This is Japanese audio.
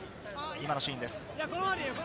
今のシーンです。